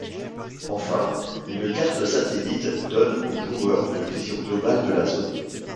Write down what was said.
Enfin, une carte satellite donne au joueur une vision globale de la zone.